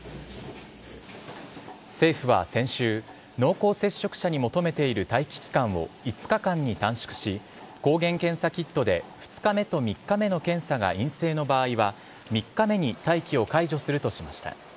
政府は先週、濃厚接触者に求めている待機期間を５日間に短縮し、抗原検査キットで２日目と３日目の検査が陰性の場合は、３日目に待機を解除するとしました。